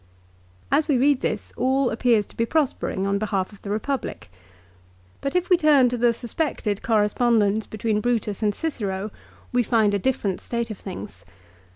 As we read this all appears to be prospering on behalf of the Eepublic. But if we turn to the suspected correspondence between Brutus arid Cicero, we find a different state of things.